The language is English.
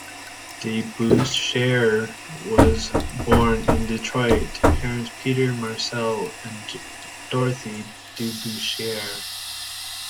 DeBusschere was born in Detroit to parents Peter Marcell and Dorothy Debusschere.